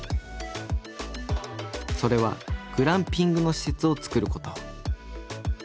それはグランピングの施設を作ること。